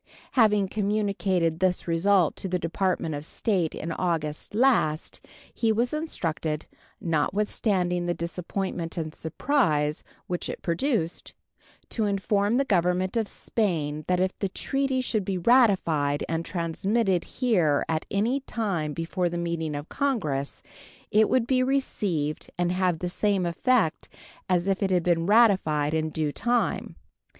Having communicated this result to the Department of State in August last, he was instructed, notwithstanding the disappointment and surprise which it produced, to inform the Government of Spain that if the treaty should be ratified and transmitted here at any time before the meeting of Congress it would be received and have the same effect as if it had been ratified in due time.